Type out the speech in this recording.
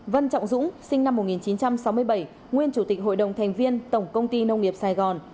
văn trọng dũng sinh năm một nghìn chín trăm sáu mươi bảy nguyên chủ tịch hội đồng thành viên tổng công ty nông nghiệp sài gòn